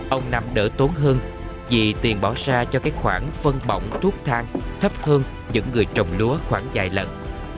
ông năm đỡ tốn hơn vì tiền bỏ ra cho các khoản phân bỏng thuốc thang thấp hơn những người trồng lúa khoảng vài lần